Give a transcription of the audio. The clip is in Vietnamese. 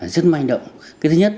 rất manh động cái thứ nhất